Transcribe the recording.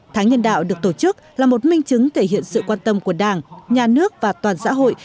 tháng nhân đạo được tổ chức là một minh chứng thể hiện sự quan tâm của đảng nhà nước và toàn xã hội